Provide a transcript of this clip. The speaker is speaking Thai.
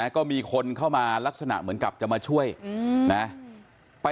ก็มีคนเข้ามาลักษณะเหมือนกับจะมาช่วยนะ